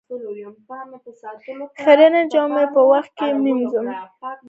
خيرنې جامې په وخت ووينځه